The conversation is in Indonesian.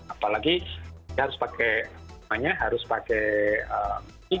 apalagi dia harus pakai namanya harus pakai